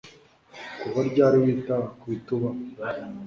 Kuva ryari wita kubitubaho